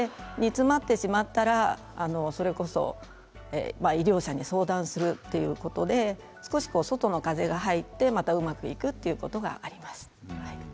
煮詰まってしまったらそれこそ医療者に相談するということで少し外の風が入って、またうまくいくということがあります。